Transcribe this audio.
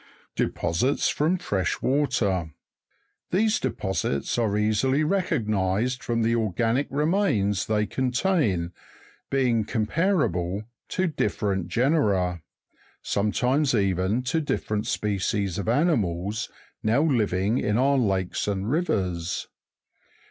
Deposits from fresh water. These deposits are easily re cognised from me organic remains they contain being comparable to different genera, sometimes even to different species of animals now living in our lakes and rivers.